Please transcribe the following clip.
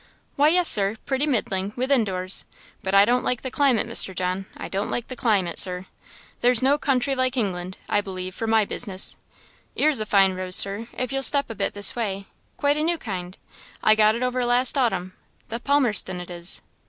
"Why, yes, Sir pretty middling, within doors; but I don't like the climate, Mr. John I don't the climate, Sir. There's no country like h'England, I believe, for my business. 'Ere's a fine rose, Sir if you'll step a bit this way quite a new kind I got it over last h'autumn the Palmerston it is.